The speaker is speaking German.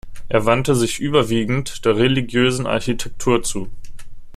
Er wandte sich überwiegend der religiösen Architektur zu.